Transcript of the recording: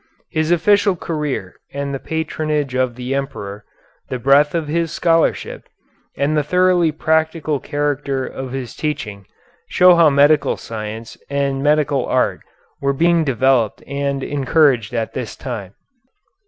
His official career and the patronage of the Emperor, the breadth of his scholarship, and the thoroughly practical character of his teaching, show how medical science and medical art were being developed and encouraged at this time.